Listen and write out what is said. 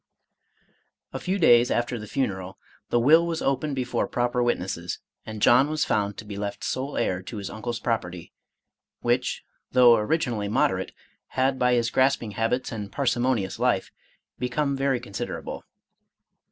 ••••• A few days after the funeral, the will was opened before proper witnesses, and John was found to be left sole heir to his uncle's property, which, though originally moderate^ had, by his grasping habits, and parsimonious life, become very considerable.